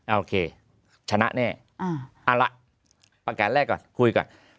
โอเคชนะแน่เอาละประกาศแรกก่อนคุยก่อน